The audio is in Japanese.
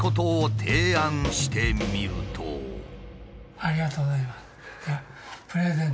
ありがとうございます。